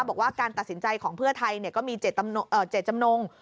บอกว่าการตัดสินใจของเพื่อไทยก็มีเจตจำนง